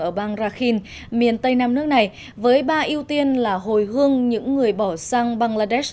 ở bang rakhin miền tây nam nước này với ba ưu tiên là hồi hương những người bỏ sang bangladesh